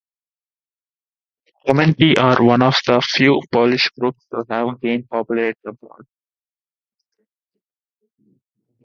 Komety are one of the few Polish groups to have gained popularity abroad.